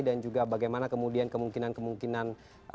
dan juga bagaimana kemudian kemungkinan kemungkinan